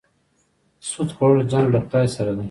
سود خوړل جنګ له خدای سره دی.